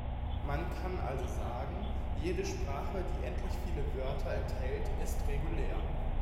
Man kann also sagen: "Jede Sprache, die endlich viele Wörter enthält, ist regulär.